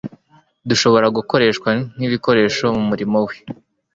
dushobora gukoreshwa nk'ibikoresho mu murimo we.